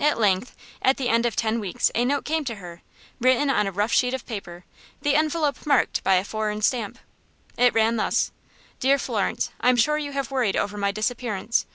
At length, at the end of ten weeks, a note came to her, written on a rough sheet of paper, the envelope marked by a foreign stamp. It ran thus: "Dear Florence: I am sure you have worried over my disappearance.